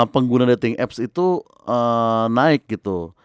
pengguna dating apps itu naik gitu